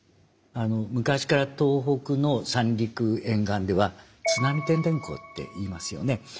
昔から東北の三陸沿岸では津波てんでんこって言いますよね。